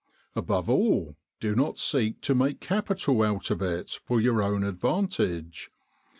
Above all, do not seek to make capital out of it for your own advantage.